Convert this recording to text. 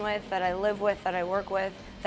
yang saya hidup dengan yang saya bekerja dengan